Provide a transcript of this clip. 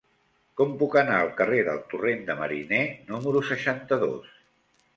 Com puc anar al carrer del Torrent de Mariner número seixanta-dos?